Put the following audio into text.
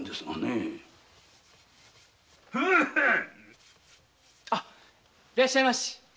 ・えっへんいらっしゃいまし。